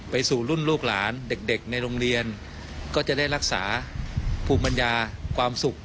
สู่รุ่นลูกหลานเด็กในโรงเรียนก็จะได้รักษาภูมิปัญญาความสุข